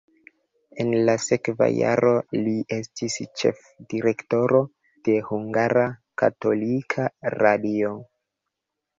En la sekva jaro li estis ĉefdirektoro de Hungara Katolika Radio.